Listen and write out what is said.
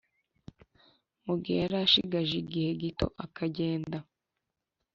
mu gihe yari ashigaje igihe gito akagenda